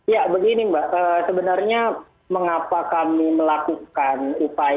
ya begini mbak sebenarnya mengapa kami melakukan upaya